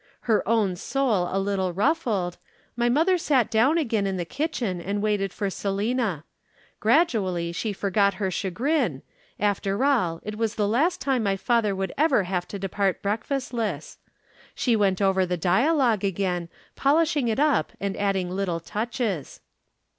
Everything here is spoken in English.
Her own soul a little ruffled, my mother sat down again in the kitchen and waited for Selina. Gradually she forgot her chagrin, after all it was the last time my father would ever have to depart breakfastless. She went over the dialogue again, polishing it up and adding little touches.